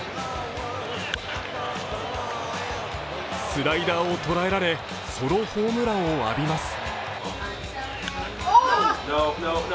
スライダーを捉えられ、ソロホームランを浴びます。